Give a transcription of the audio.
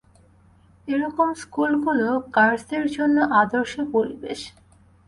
এরকম স্কুলগুলো কার্সদের জন্য আদর্শ পরিবেশ।